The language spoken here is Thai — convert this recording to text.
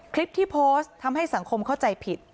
คลิปที่โพสต์ทำให้สังคมเข้าใจผิด